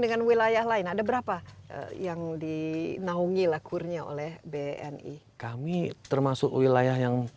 dengan wilayah lain ada berapa yang dinaungi lah kurnia oleh bni kami termasuk wilayah yang